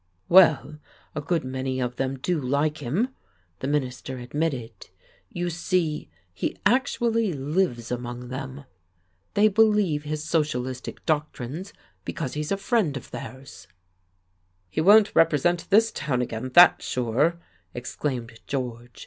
"Well, a good many of them do like him," the minister admitted. "You see, he actually lives among them. They believe his socialistic doctrines because he's a friend of theirs." "He won't represent this town again, that's sure," exclaimed George.